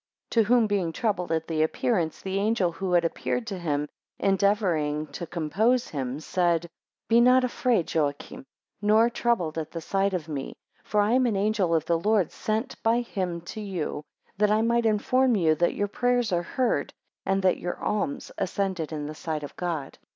2 To whom, being troubled at the appearance, the angel who had appeared to him, endeavouring to compose him, said: 3 Be not afraid, Joachim, nor troubled at the sight of me, for I am an angel of the Lord sent by him to you, that I might inform you that your prayers are heard, and your alms ascended in the sight of God.